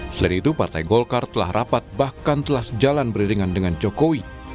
selain itu partai golkar telah rapat bahkan telah sejalan beriringan dengan jokowi